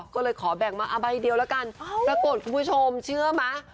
ก็เลยขอแบ่งมาใบเดียวแล้วกันปรากฏคุณผู้ชมเชื่อไหม